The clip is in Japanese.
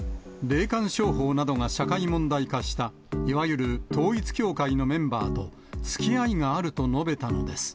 霊感商法などが社会問題化したいわゆる統一教会のメンバーと、つきあいがあると述べたのです。